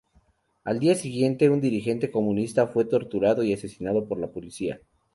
Al día siguiente, un dirigente comunista fue torturado y asesinado por la policía.